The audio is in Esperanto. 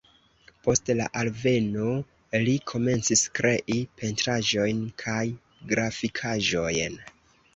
Post la alveno li komencis krei pentraĵojn kaj grafikaĵojn.